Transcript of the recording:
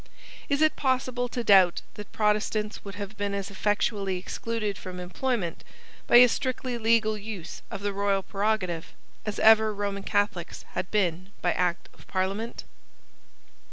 Is it possible to doubt that Protestants would have been as effectually excluded from employment, by a strictly legal use of the royal prerogative, as ever Roman Catholics had been by Act of Parliament?